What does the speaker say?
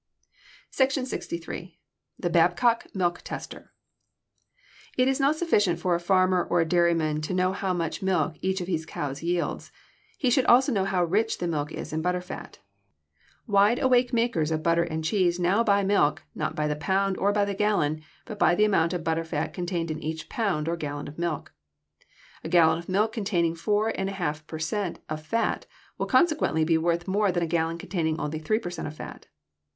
SECTION LXIII. THE BABCOCK MILK TESTER It is not sufficient for a farmer or a dairyman to know how much milk each of his cows yields. He should also know how rich the milk is in butter fat. Wide awake makers of butter and cheese now buy milk, not by the pound or by the gallon, but by the amount of butter fat contained in each pound or gallon of milk. A gallon of milk containing four and a half per cent of fat will consequently be worth more than a gallon containing only three per cent of fat.